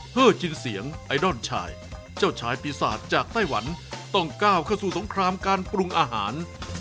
เพื่อชินเสียงไอดอลชายเจ้าชายปีศาจจากไต้หวันต้องก้าวเข้าสู่สงครามการปรุงอาหาร